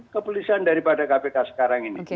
kepolisian daripada kpk sekarang ini